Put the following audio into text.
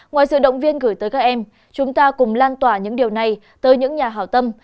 ngoài sự động viên gửi tới các em chúng ta cùng lan tỏa những điều này tới những nhà hảo tâm